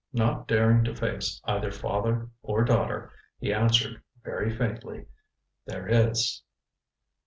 Not daring to face either father or daughter, he answered very faintly: "There is."